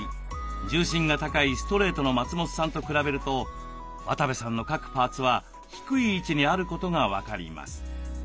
重心が高いストレートの松本さんと比べると渡部さんの各パーツは低い位置にあることが分かります。